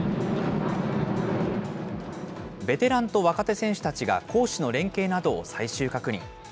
ベテランと若手選手たちが攻守の連係などを最終確認。